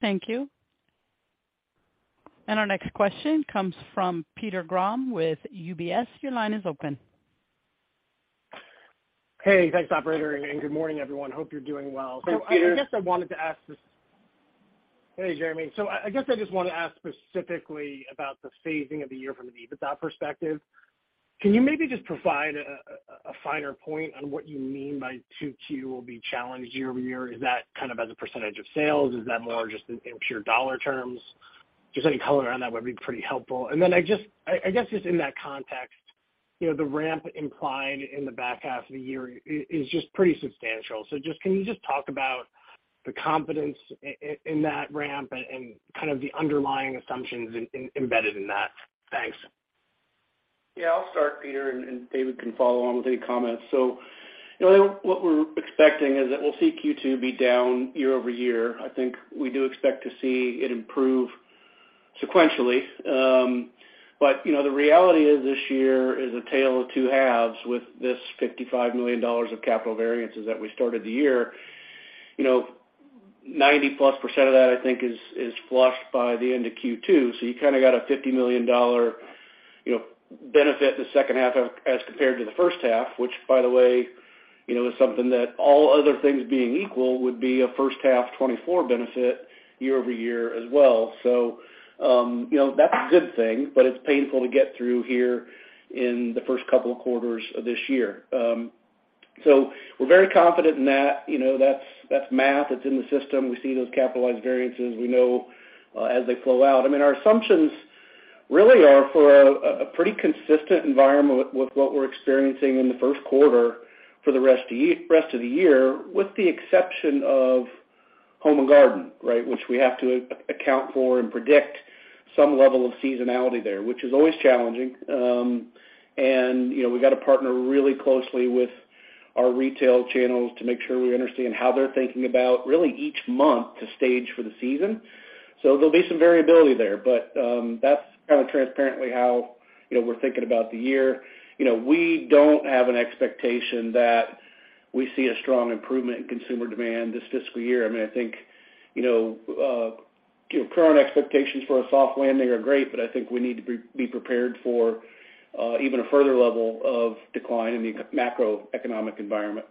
Thank you. Our next question comes from Peter Grom with UBS. Your line is open. Hey, thanks operator. Good morning everyone. Hope you're doing well. So Peter- Hey, Jeremy. I just want to ask specifically about the phasing of the year from an EBITDA perspective. Can you maybe just provide a finer point on what you mean by 2Q will be challenged year-over-year? Is that kind of as a percentage of sales? Is that more just in pure dollar terms? Just any color on that would be pretty helpful. I guess just in that context, you know, the ramp implied in the back half of the year is just pretty substantial. Can you just talk about the confidence in that ramp and kind of the underlying assumptions embedded in that? Thanks. Yeah, I'll start, Peter, and David can follow on with any comments. You know, what we're expecting is that we'll see Q2 be down year-over-year. I think we do expect to see it improve sequentially. You know, the reality is this year is a tale of two halves with this $55 million of capital variances that we started the year. You know, 90%+ of that, I think, is flushed by the end of Q2. You kind of got a $50 million, you know, benefit in the second half as compared to the first half, which, by the way, you know, is something that all other things being equal would be a first half 2024 benefit year-over-year as well. You know, that's a good thing, but it's painful to get through here in the first couple of quarters of this year. We're very confident in that. You know, that's math. It's in the system. We see those capitalized variances. We know as they flow out. I mean, our assumptions really are for a pretty consistent environment with what we're experiencing in the first quarter for the rest of the year, with the exception of home and garden, right? Which we have to account for and predict some level of seasonality there, which is always challenging. And, you know, we got to partner really closely with our retail channels to make sure we understand how they're thinking about really each month to stage for the season. There'll be some variability there. That's kind of transparently how, you know, we're thinking about the year. You know, we don't have an expectation that we see a strong improvement in consumer demand this fiscal year. I think, you know, current expectations for a soft landing are great, but I think we need to be prepared for even a further level of decline in the macroeconomic environment.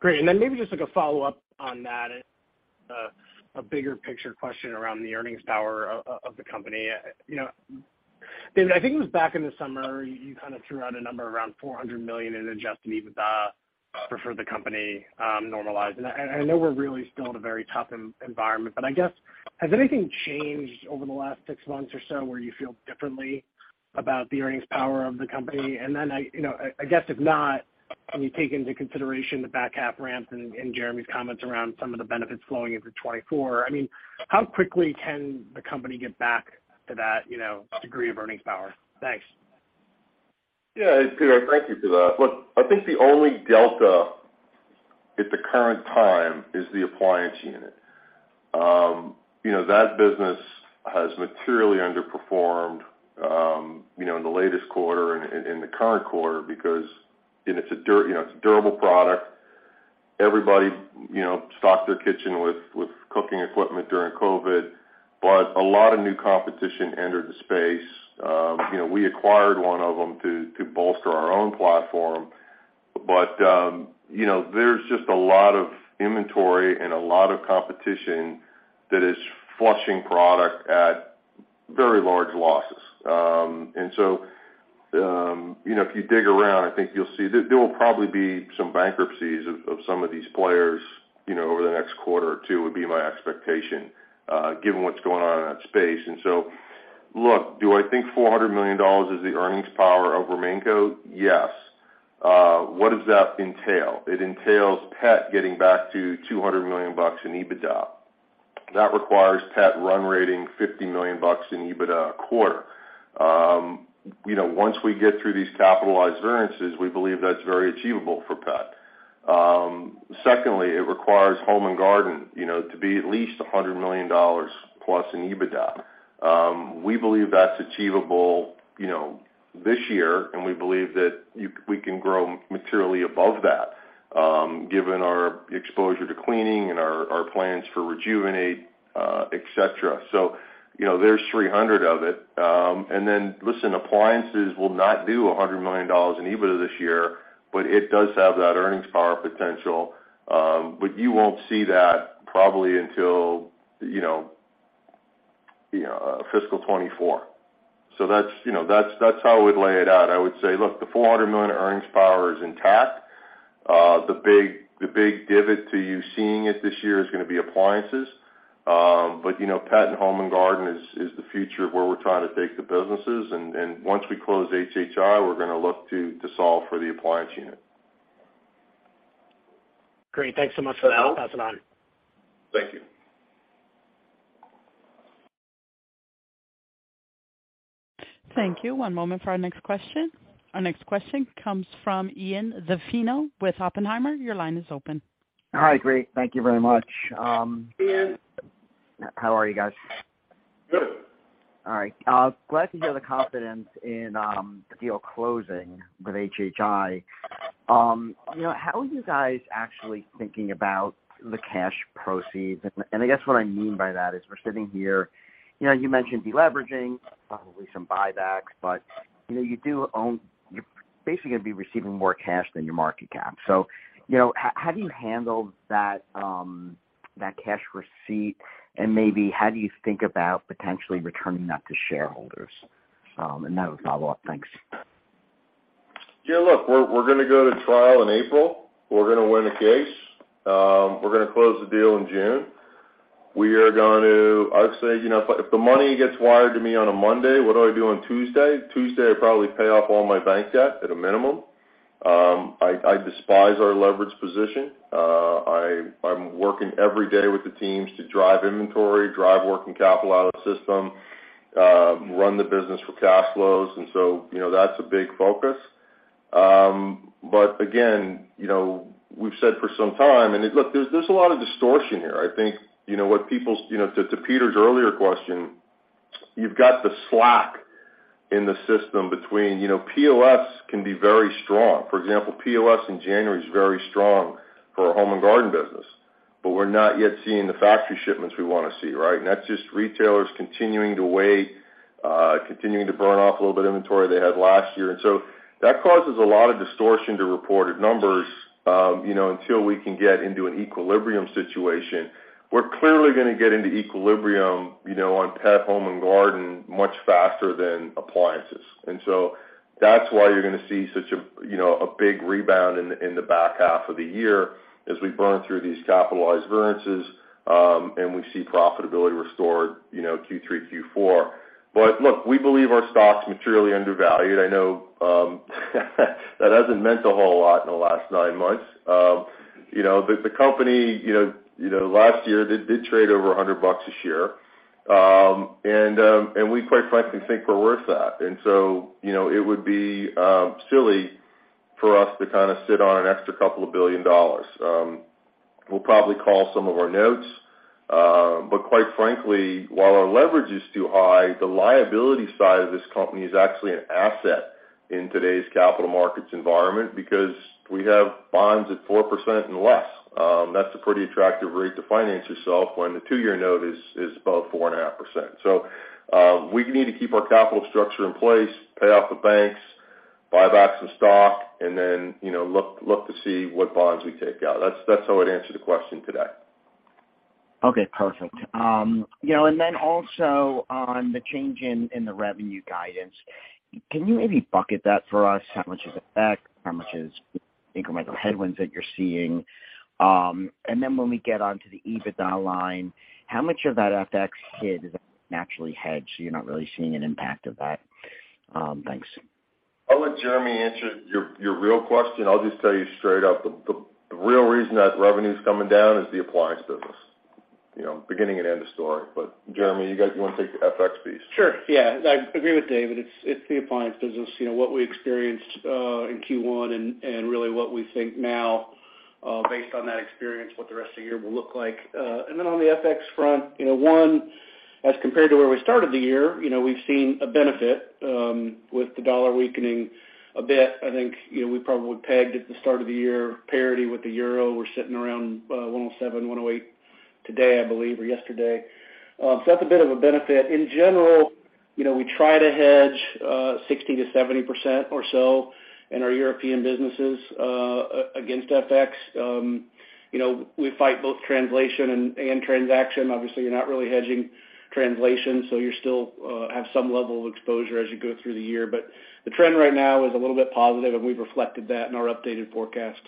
Great. Then maybe just like a follow-up on that, a bigger picture question around the earnings power of the company. You know, David, I think it was back in the summer, you kind of threw out a number around $400 million in adjusted EBITDA for the company, normalized. I know we're really still in a very tough environment, but I guess, has anything changed over the last six months or so where you feel differently about the earnings power of the company? Then I, you know, I guess if not, when you take into consideration the back half ramps and Jeremy's comments around some of the benefits flowing into 2024, I mean, how quickly can the company get back to that, you know, degree of earnings power? Thanks. Peter, thank you for that. Look, I think the only delta at the current time is the appliance unit. you know, that business has materially underperformed, you know, in the latest quarter and in the current quarter because, you know, it's a durable product. Everybody, you know, stocked their kitchen with cooking equipment during COVID, but a lot of new competition entered the space. you know, we acquired one of them to bolster our own platform. you know, there's just a lot of inventory and a lot of competition that is flushing product at very large losses. You know, if you dig around, I think you'll see there will probably be some bankruptcies of some of these players, you know, over the next quarter or two, would be my expectation, given what's going on in that space. Look, do I think $400 million is the earnings power of RemainCo? Yes. What does that entail? It entails Pet getting back to $200 million in EBITDA. That requires Pet run rating $50 million in EBITDA a quarter. You know, once we get through these capitalized variances, we believe that's very achievable for Pet. Secondly, it requires Home and Garden, you know, to be at least $100 million plus in EBITDA. We believe that's achievable, you know, this year. We believe that we can grow materially above that, given our exposure to cleaning and our plans for Rejuvenate, et cetera. You know, there's $300 million of it. Listen, appliances will not do $100 million in EBITDA this year, but it does have that earnings power potential. You won't see that probably until, you know, fiscal 2024. That's, you know, that's how we'd lay it out. I would say, look, the $400 million earnings power is intact. The big divot to you seeing it this year is gonna be appliances. You know, pet and Home and Garden is the future of where we're trying to take the businesses. Once we close HHI, we're gonna look to solve for the appliance unit. Great. Thanks so much for that. Is that all? Pass it on. Thank you. Thank you. One moment for our next question. Our next question comes from Ian Zaffino with Oppenheimer. Your line is open. All right. Great. Thank you very much. Ian. How are you guys? Good. All right. Glad to hear the confidence in the deal closing with HHI. You know, how are you guys actually thinking about the cash proceeds? I guess what I mean by that is we're sitting here. You know, you mentioned de-leveraging, probably some buybacks, but, you know, you're basically gonna be receiving more cash than your market cap. You know, how do you handle that cash receipt? Maybe how do you think about potentially returning that to shareholders? That was my follow-up. Thanks. Yeah, look, we're gonna go to trial in April. We're gonna win the case. We're gonna close the deal in June. I'd say, you know, if the money gets wired to me on a Monday, what do I do on Tuesday? Tuesday, I probably pay off all my bank debt at a minimum. I despise our leverage position. I'm working every day with the teams to drive inventory, drive working capital out of the system, run the business for cash flows, you know, that's a big focus. Again, you know, we've said for some time... Look, there's a lot of distortion here. I think, you know, what people's, you know, to Peter's earlier question, you've got the slack in the system between, you know, POS can be very strong. For example, POS in January is very strong for our home and garden business, but we're not yet seeing the factory shipments we wanna see, right? That's just retailers continuing to wait, continuing to burn off a little bit of inventory they had last year. That causes a lot of distortion to reported numbers, you know, until we can get into an equilibrium situation. We're clearly gonna get into equilibrium, you know, on pet, home, and garden much faster than appliances. That's why you're gonna see such a, you know, a big rebound in the, in the back half of the year as we burn through these capitalized variances, and we see profitability restored, you know, Q3, Q4. Look, we believe our stock's materially undervalued. I know that hasn't meant a whole lot in the last 9 months. You know, the company, you know, last year did trade over $100 a share. We quite frankly think we're worth that. You know, it would be kind of silly for us to sit on an extra $2 billion. We'll probably call some of our notes. Quite frankly, while our leverage is too high, the liability side of this company is actually an asset in today's capital markets environment because we have bonds at 4% and less. That's a pretty attractive rate to finance yourself when the two-year note is above 4.5%. We need to keep our capital structure in place, pay off the banks, buy back some stock, and then, you know, look to see what bonds we take out. That's how I'd answer the question today. Okay, perfect. You know, also on the change in the revenue guidance, can you maybe bucket that for us? How much is FX? How much is incremental headwinds that you're seeing? When we get onto the EBITDA line, how much of that FX hid is naturally hedged, so you're not really seeing an impact of that? Thanks. I'll let Jeremy answer your real question. I'll just tell you straight up, the real reason that revenue's coming down is the appliance business. You know, beginning and end of story. Jeremy, you guys, you wanna take the FX piece? Sure. Yeah. I agree with David. It's the appliance business, you know, what we experienced in Q1 and really what we think now, based on that experience, what the rest of the year will look like. On the FX front, you know, one, as compared to where we started the year, you know, we've seen a benefit with the dollar weakening a bit. I think, you know, we probably pegged at the start of the year parity with the euro. We're sitting around 1.07, 1.08 today, I believe, or yesterday. That's a bit of a benefit. In general, you know, we try to hedge 60%-70% or so in our European businesses against FX. You know, we fight both translation and transaction. Obviously, you're not really hedging translation, so you still have some level of exposure as you go through the year. The trend right now is a little bit positive, and we've reflected that in our updated forecast.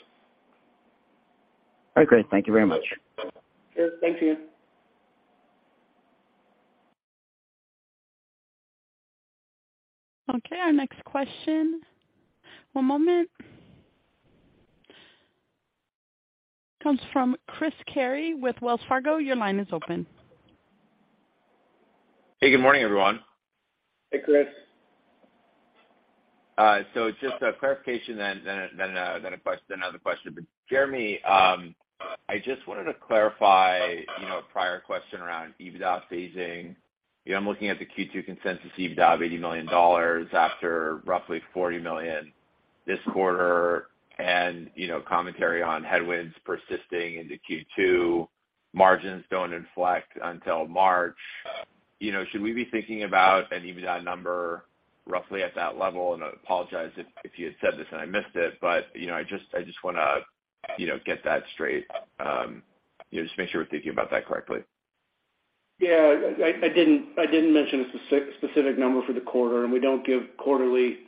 All right, great. Thank you very much. Sure. Thanks, Ian. Okay, our next question, one moment, comes from Chris Carey with Wells Fargo. Your line is open. Hey, good morning, everyone. Hey, Chris. Just a clarification, then another question. Jeremy, I just wanted to clarify, you know, a prior question around EBITDA phasing. You know, I'm looking at the Q2 consensus EBITDA of $80 million after roughly $40 million this quarter. You know, commentary on headwinds persisting into Q2. Margins don't inflect until March. You know, should we be thinking about an EBITDA number roughly at that level? I apologize if you had said this and I missed it, you know, I just wanna you know, get that straight. You know, just make sure we're thinking about that correctly. I didn't mention a spec-specific number for the quarter, and we don't give quarterly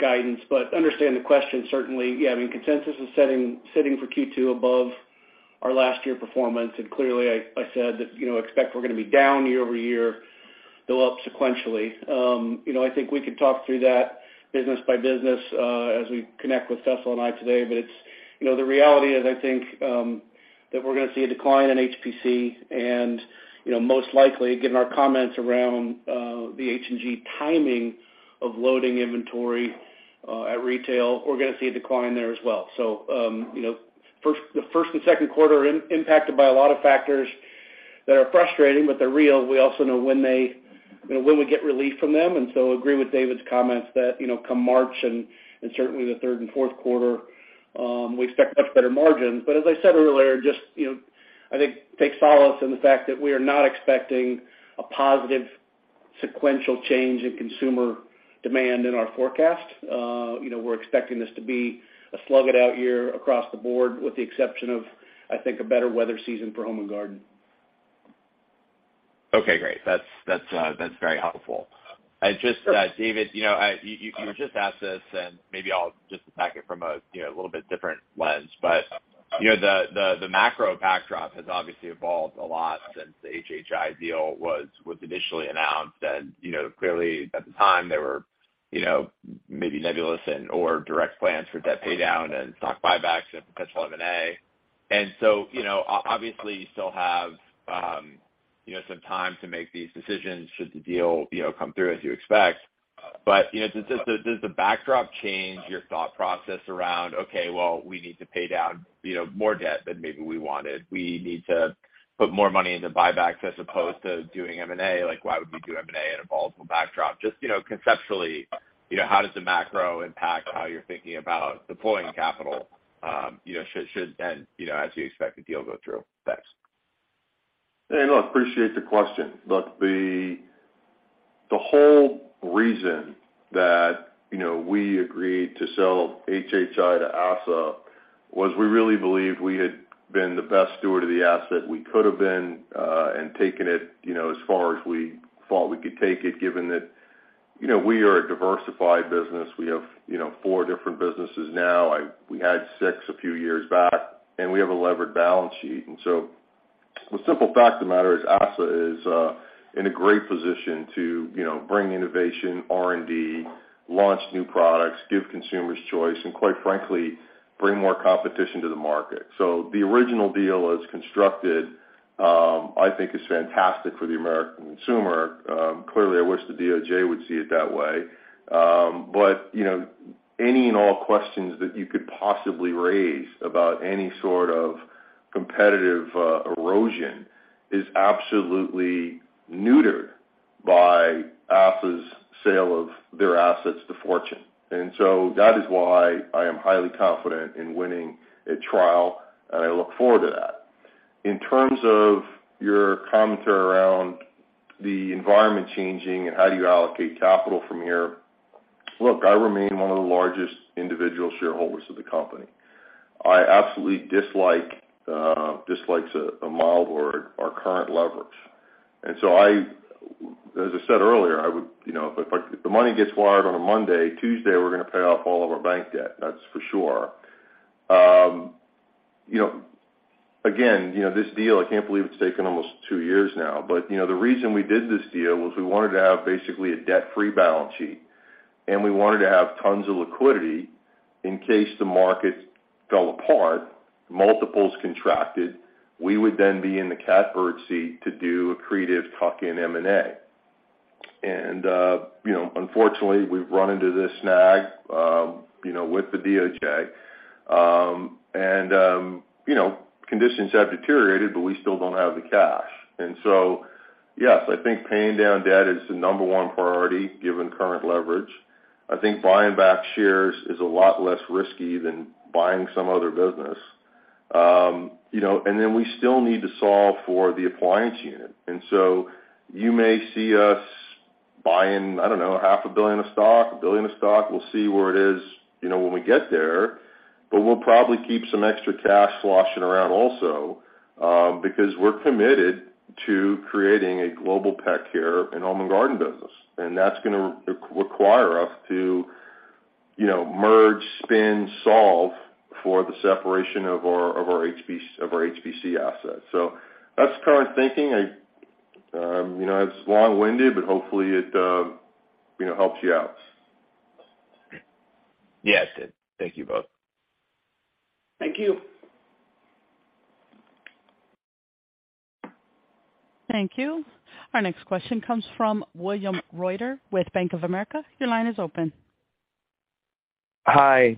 guidance, but understand the question, certainly. I mean, consensus is sitting for Q2 above our last year performance, and clearly, I said that, you know, expect we're gonna be down year-over-year, though up sequentially. You know, I think we could talk through that business by business, as we connect with Faisal and I today. It's, you know, the reality is, I think, that we're gonna see a decline in HPC and, you know, most likely, given our comments around the HNG timing of loading inventory at retail, we're gonna see a decline there as well. You know, the first and second quarter are impacted by a lot of factors that are frustrating, but they're real. We also know when they, you know, when we get relief from them, and so agree with David's comments that, you know, come March and certainly the third and fourth quarter, we expect much better margins. As I said earlier, just, you know, I think take solace in the fact that we are not expecting a positive sequential change in consumer demand in our forecast. You know, we're expecting this to be a slug it out year across the board, with the exception of, I think, a better weather season for home and garden. Okay, great. That's very helpful. Sure. David, you know, you were just asked this and maybe I'll just attack it from a, you know, a little bit different lens. You know, the macro backdrop has obviously evolved a lot since the HHI deal was initially announced. You know, clearly at the time there were, you know, maybe nebulous and/or direct plans for debt pay down and stock buybacks and potential M&A. You know, obviously you still have, you know, some time to make these decisions should the deal, you know, come through as you expect. You know, does the backdrop change your thought process around, okay, well, we need to pay down, you know, more debt than maybe we wanted. We need to put more money into buybacks as opposed to doing M&A. Like, why would we do M&A in a volatile backdrop? Just, you know, conceptually, you know, how does the macro impact how you're thinking about deploying capital, you know, as you expect the deal go through? Thanks. Yeah, no, appreciate the question. Look, the whole reason that, you know, we agreed to sell HHI to ASSA was we really believed we had been the best steward of the asset we could have been, and taken it, you know, as far as we thought we could take it, given that, you know, we are a diversified business. We have, you know, four different businesses now. We had six a few years back, and we have a levered balance sheet. The simple fact of the matter is ASSA is in a great position to, you know, bring innovation, R&D, launch new products, give consumers choice, and quite frankly, bring more competition to the market. The original deal as constructed, I think is fantastic for the American consumer. Clearly, I wish the DOJ would see it that way. But, you know, any and all questions that you could possibly raise about any sort of competitive erosion is absolutely neutered by ASSA's sale of their assets to Fortune. That is why I am highly confident in winning a trial, and I look forward to that. In terms of your commentary around the environment changing and how do you allocate capital from here, look, I remain one of the largest individual shareholders of the company. I absolutely dislike's a mild word, our current leverage. As I said earlier, I would, you know, if the money gets wired on a Monday, Tuesday, we're gonna pay off all of our bank debt, that's for sure. You know, again, you know, this deal, I can't believe it's taken almost 2 years now, but, you know, the reason we did this deal was we wanted to have basically a debt-free balance sheet, and we wanted to have tons of liquidity in case the market fell apart, multiples contracted. We would then be in the catbird seat to do accretive tuck-in M&A. Unfortunately, you know, we've run into this snag, you know, with the DOJ, and, you know, conditions have deteriorated, but we still don't have the cash. Yes, I think paying down debt is the number 1 priority given current leverage. I think buying back shares is a lot less risky than buying some other business. You know, and then we still need to solve for the appliance unit. You may see us buying, I don't know, half a billion of stock, $1 billion of stock. We'll see where it is, you know, when we get there. We'll probably keep some extra cash sloshing around also, because we're committed to creating a Global Pet Care and home and garden business. That's gonna re-require us to, you know, merge, spin, solve for the separation of our HPC assets. That's the current thinking. I, you know, it's long-winded, but hopefully it, you know, helps you out. Yeah, it did. Thank you both. Thank you. Thank you. Our next question comes from William Reuter with Bank of America. Your line is open. Hi.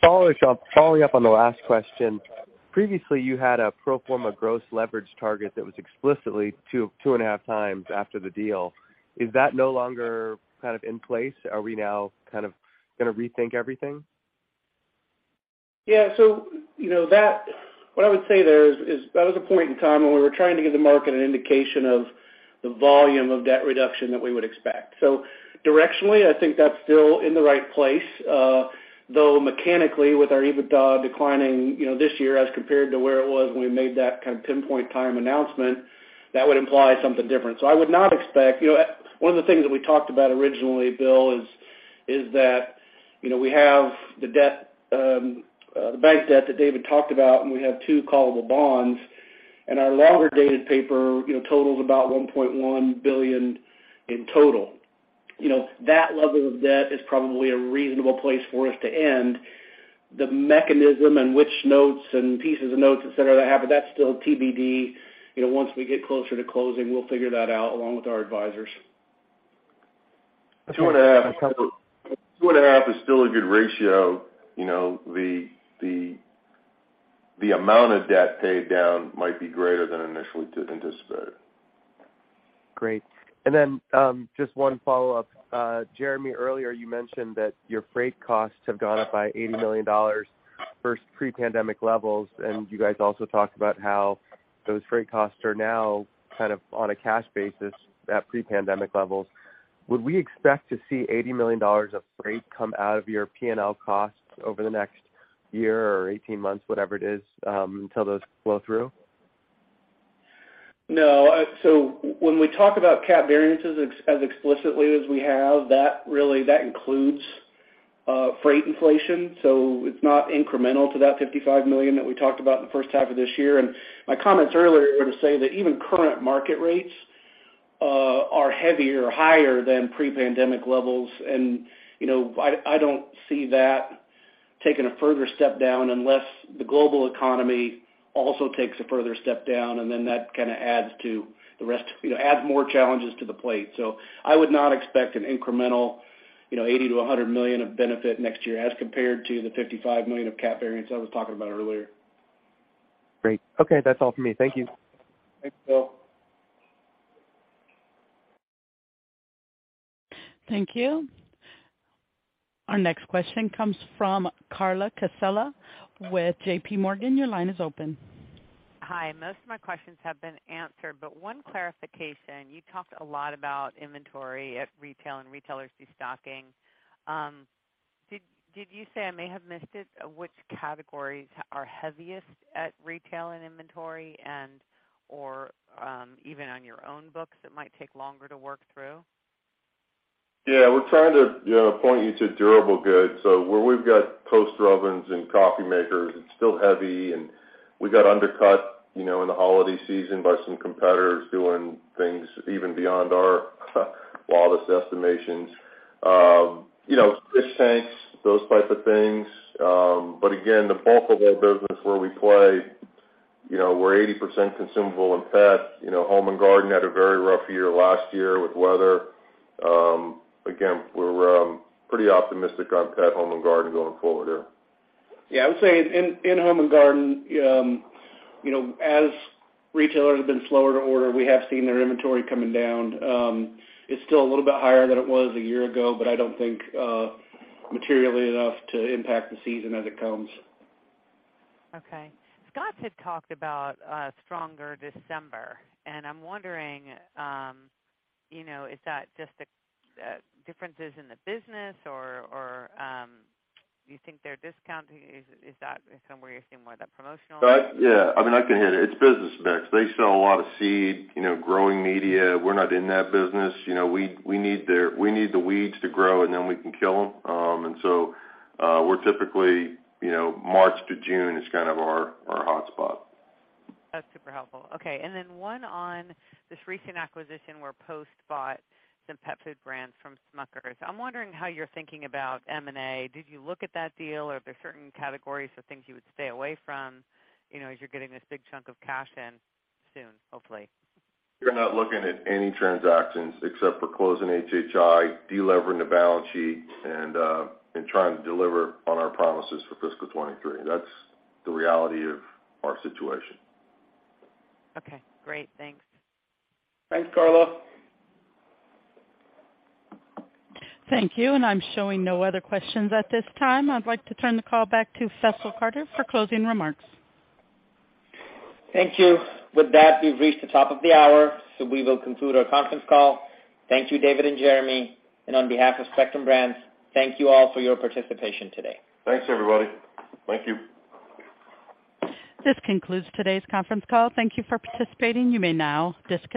Following up on the last question. Previously, you had a pro forma gross leverage target that was explicitly 2.5 times after the deal. Is that no longer kind of in place? Are we now kind of going to rethink everything? Yeah. You know, what I would say there is that was a point in time when we were trying to give the market an indication of the volume of debt reduction that we would expect. Directionally, I think that's still in the right place. Though mechanically with our EBITDA declining, you know, this year as compared to where it was when we made that kind of pinpoint time announcement, that would imply something different. I would not expect. You know, one of the things that we talked about originally, Bill, is that, you know, we have the debt, the bank debt that David talked about, and we have two callable bonds, and our longer-dated paper, you know, totals about $1.1 billion in total. You know, that level of debt is probably a reasonable place for us to end. The mechanism and which notes and pieces of notes, et cetera, that have. That's still TBD. You know, once we get closer to closing, we'll figure that out along with our advisors. Two and a half is still a good ratio. You know, the amount of debt paid down might be greater than initially anticipated. Great. Just one follow-up. Jeremy, earlier you mentioned that your freight costs have gone up by $80 million versus pre-pandemic levels, and you guys also talked about how those freight costs are now kind of on a cash basis at pre-pandemic levels. Would we expect to see $80 million of freight come out of your P&L costs over the next year or 18 months, whatever it is, until those flow through? No. When we talk about COGS variances explicitly as we have, that really, that includes freight inflation, it's not incremental to that $55 million that we talked about in the first half of this year. My comments earlier were to say that even current market rates are heavier or higher than pre-pandemic levels. You know, I don't see that taking a further step down unless the global economy also takes a further step down and then that kinda adds to the rest of... You know, adds more challenges to the plate. I would not expect an incremental, you know, $80 million-$100 million of benefit next year as compared to the $55 million of cap variance I was talking about earlier. Great. Okay, that's all for me. Thank you. Thanks, Will. Thank you. Our next question comes from Carla Casella with JP Morgan. Your line is open. Hi. Most of my questions have been answered, but one clarification. You talked a lot about inventory at retail and retailers destocking. Did you say, I may have missed it, which categories are heaviest at retail and inventory and/or, even on your own books that might take longer to work through? Yeah. We're trying to, you know, point you to durable goods. Where we've got toaster ovens and coffee makers, it's still heavy, and we got undercut, you know, in the holiday season by some competitors doing things even beyond our wildest estimations. You know, fish tanks, those types of things. Again, the bulk of our business where we play, you know, we're 80% consumable in pet. Home and garden had a very rough year last year with weather. Again, we're pretty optimistic on pet, home and garden going forward here. I would say in home and garden, you know, as retailers have been slower to order, we have seen their inventory coming down. It's still a little bit higher than it was a year ago, but I don't think materially enough to impact the season as it comes. Okay. Scott had talked about a stronger December, and I'm wondering, you know, is that just the differences in the business or, do you think they're discounting? Is that somewhere you're seeing more of that promotional mix? That, yeah, I mean, I can hit it. It's business mix. They sell a lot of seed, you know, growing media. We're not in that business. You know, we need the weeds to grow and then we can kill them. We're typically, you know, March to June is kind of our hotspot. That's super helpful. Okay. One on this recent acquisition where Post Holdings bought some pet food brands from The J.M. Smucker Co. I'm wondering how you're thinking about M&A. Did you look at that deal or are there certain categories of things you would stay away from, you know, as you're getting this big chunk of cash in soon, hopefully? We're not looking at any transactions except for closing HHI, de-levering the balance sheet, and trying to deliver on our promises for fiscal 23. That's the reality of our situation. Okay, great. Thanks. Thanks, Carla. Thank you. I'm showing no other questions at this time. I'd like to turn the call back to Faisal Qadir for closing remarks. Thank you. With that, we've reached the top of the hour, we will conclude our conference call. Thank you, David and Jeremy. On behalf of Spectrum Brands, thank you all for your participation today. Thanks, everybody. Thank you. This concludes today's conference call. Thank you for participating. You may now disconnect.